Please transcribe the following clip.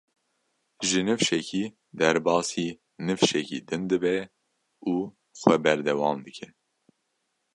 Ji nifşekî derbasî nifşekî din dibe û xwe berdewam dike.